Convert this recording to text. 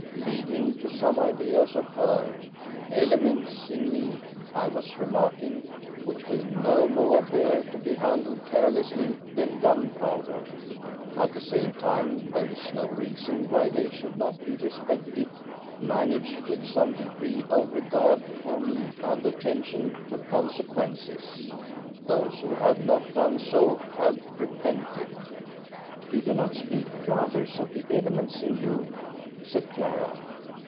Lead him to some ideas of her. Elements in me, I was remarking, which will no more bear to be handled carelessly than gunpowder. At the same time, there is no reason why they should not be respected, managed with some degree of regard for me and attention to consequences. Those who have not done so have repented." "You do not speak to others of the elements in you," said Clara.